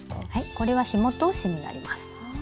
これはひも通しになります。